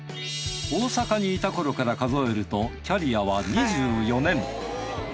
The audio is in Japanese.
大阪にいたころから数えるとキャリアは２４年。